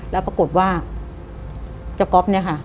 แล้วปรากฏว่าเจ้าก๊อฟเนี่ยค่ะ